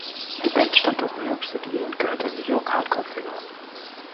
Die Band stammt aus New York City und gehört der New-York-Hardcore-Szene an.